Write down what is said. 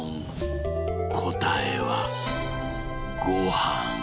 こたえは「ごはん」。